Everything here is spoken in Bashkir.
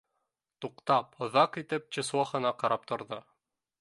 Туҡтап, оҙаҡ итеп числоһына ҡарап торҙо